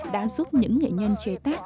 đã giúp những nghệ nhân chế tác